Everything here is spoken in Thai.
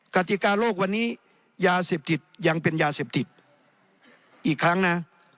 กติกาโลกวันนี้ยาเสพติดยังเป็นยาเสพติดอีกครั้งนะ